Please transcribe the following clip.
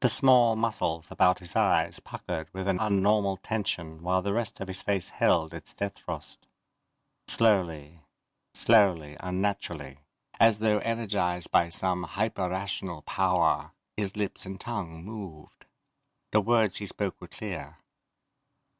The small muscles about his eyes puckered with an unnormal tension while the rest of his face held its death frost. Slowly, slowly, unnaturally as though energized by some hyper rational power his lips and tongue moved. The words he spoke were clear.